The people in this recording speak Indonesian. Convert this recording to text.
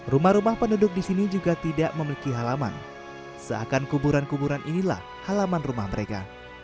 rumah rumah penduduk di sini juga tidak memiliki halaman seakan kuburan kuburan inilah halaman rumah mereka